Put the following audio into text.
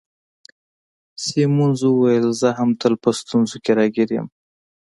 سیمونز وویل: زه هم تل په ستونزو کي راګیر یم.